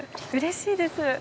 うれしいです。